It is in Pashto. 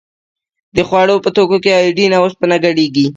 د خوړو په توکو کې ایوډین او اوسپنه ګډیږي؟